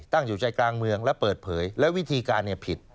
อยู่ใจกลางเมืองและเปิดเผยแล้ววิธีการผิด